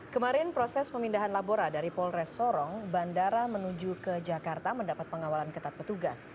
kemarin proses pemindahan labora dari polres sorong bandara menuju ke jakarta mendapat pengawalan ketat petugas